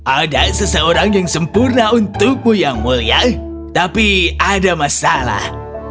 ada seseorang yang sempurna untukmu yang mulia tapi ada masalah